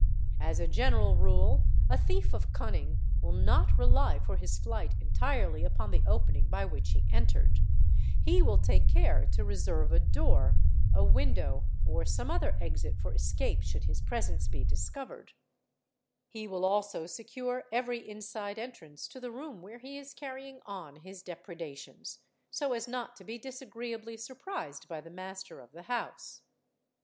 As a general rule a thief of unning will not rely for his flight entirely upon the opening by which he entered; he will take care to reserve a door, a window, or some other at for escape should his presence be discovered: he will also secure inside entrance to the reom where he is carrying on his depre dations, so as not to be disagreeably surprised by the master of the house.